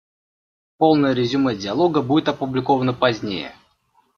Полное резюме Диалога будет опубликовано позднее.